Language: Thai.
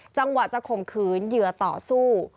จังหวะจะข่มขืนเหยื่อต่อสู้